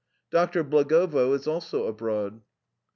Doctor Blagovo is also abroad.